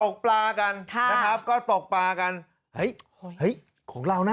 ตกปลากันนะครับก็ตกปลากัน